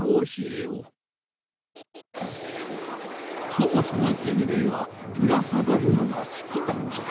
そもそも人るいはぶら下がるのがすきなんじゃ。